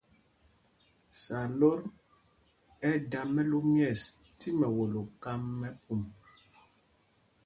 Sǎlot ɛ́ da mɛlú myɛ̂ɛs tí mɛwolo kám mɛ pum.